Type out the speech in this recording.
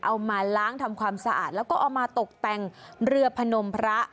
เอามาล้างทำความสะอาดแล้วก็เอามาตกแต่งเรือพนมพระ